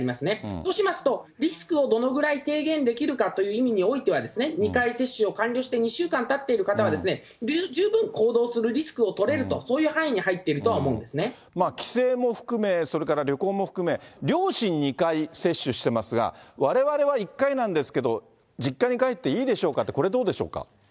そうしますと、リスクをどのぐらい低減できるかという意味においては、２回接種を完了して２週間たっている方は、十分行動するリスクをとれると、そういう範囲に帰省も含め、それから旅行も含め、両親２回接種してますが、われわれは１回なんですけど、実家に帰っていいでしょうかって、これどうでしょうか。